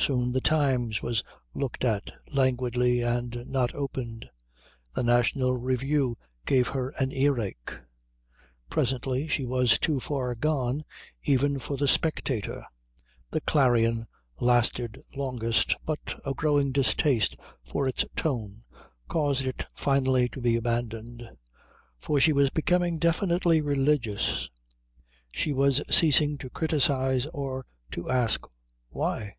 Soon the Times was looked at languidly and not opened. The National Review gave her an earache. Presently she was too far gone even for the Spectator. The Clarion lasted longest, but a growing distaste for its tone caused it finally to be abandoned. For she was becoming definitely religious; she was ceasing to criticise or to ask Why?